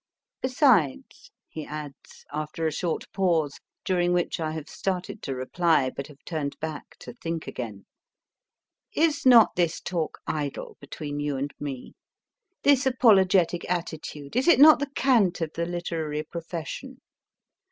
Besides, he adds, after a short pause, during which I have started to reply, but have turned back to think again, is not this talk idle between you and me ? This apologetic attitude, is it not the cant of the literary profession